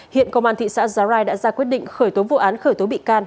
hiện công an thị xã giá rai đã ra quyết định khởi tố vụ án khởi tố bị can